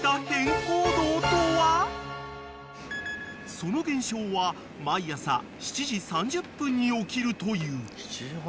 ［その現象は毎朝７時３０分に起きるという］